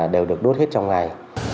đều được đốt hết trong ngày